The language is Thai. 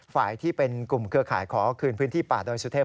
ฝ่ายที่เป็นกลุ่มเครือข่ายขอคืนพื้นที่ป่าดอยสุเทพ